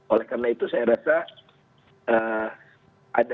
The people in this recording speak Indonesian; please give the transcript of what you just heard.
oleh karena itu saya rasa ada